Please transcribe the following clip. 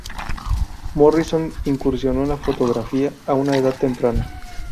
Morrison incursionó en la fotografía a una edad temprana.